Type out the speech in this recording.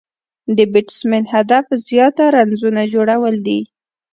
د بېټسمېن هدف زیات رنزونه جوړول دي.